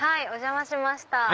お邪魔しました。